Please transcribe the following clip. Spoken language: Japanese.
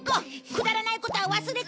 くだらないことは忘れてほら！